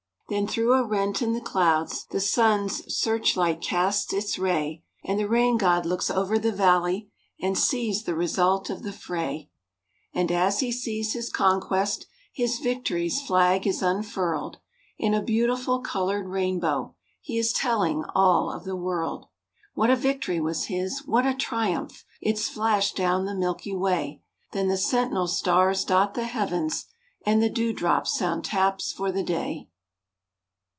Then through a rent in the clouds The sun's searchlight casts its ray, And the Rain God looks over the valley And sees the result of the fray. And as He sees his conquest, His victory's flag is unfurled, In a beautiful colored rainbow,— He is telling all of the world, What a victory was his, what a triumph! It's flashed down the milky way, Then the sentinel stars dot the heavens, And the dew drops sound taps for the day.